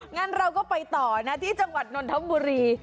งั้นเราก็ไปต่อนะที่จังหวัดนนทบุรี